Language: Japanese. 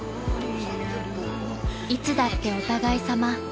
［いつだってお互いさま］